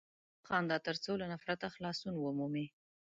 وخانده تر څو له نفرته خلاصون ومومې!